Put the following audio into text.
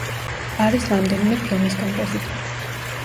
არის რამდენიმე ფილმის კომპოზიტორი.